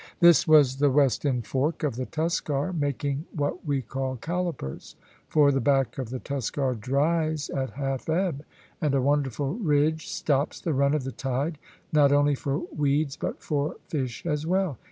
This was the west end fork of the Tuskar, making what we call "callipers;" for the back of the Tuskar dries at half ebb, and a wonderful ridge stops the run of the tide, not only for weeds but for fish as well.